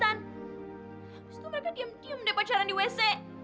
habis itu mereka diam diam deh pacaran di wc